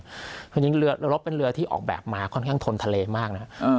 เพราะฉะนั้นเรือลบเป็นเรือที่ออกแบบมาค่อนข้างทนทะเลมากนะครับ